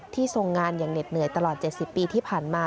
ทรงงานอย่างเหน็ดเหนื่อยตลอด๗๐ปีที่ผ่านมา